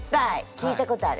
聞いたことある。